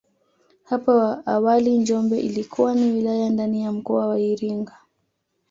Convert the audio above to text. Hapo awali Njombe ilikuwa ni wilaya ndani ya mkoa wa Iringa